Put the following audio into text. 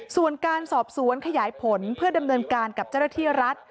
ส่วนการสอบสวนขยายผลเพื่อดำเนินการกับเจ้าหน้าที่รัฐ